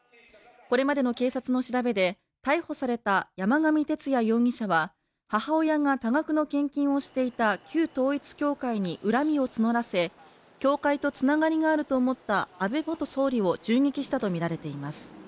これまでの警察の調べで逮捕された山上徹也容疑者は母親が多額の献金をしていた旧統一教会に恨みを募らせ教会とつながりがあると思った安倍元総理を銃撃したとみられています。